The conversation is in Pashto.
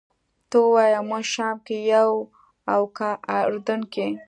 ته ووایه موږ شام کې یو او که اردن کې.